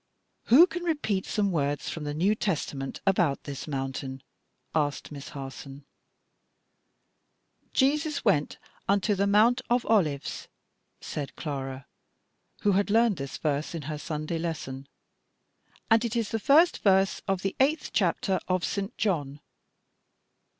"Who can repeat some words from the New Testament about this mountain?" asked Miss Harson. "'Jesus went unto the Mount of Olives,'" said Clara, who had learned this verse in her Sunday lesson, "and it is the first verse of the eighth chapter of St. John."